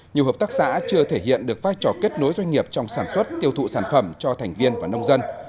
nhiều hợp tác xã chưa thể hiện được vai trò kết nối doanh nghiệp trong sản xuất tiêu thụ sản phẩm cho thành viên và nông dân